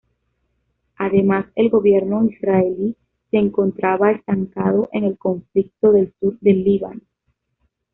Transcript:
Además el gobierno israelí se encontraba estancado en el conflicto del sur de Líbano.